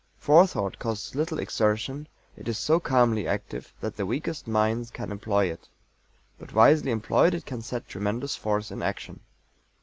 Forethought costs little exertion: it is so calmly active that the weakest minds can employ it; but wisely employed it can set tremendous force in action.